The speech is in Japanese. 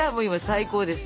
最高です。